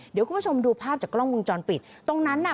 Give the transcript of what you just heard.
เดี๋ยวคุณผู้ชมดูภาพจากกล้องวงจรปิดตรงนั้นน่ะ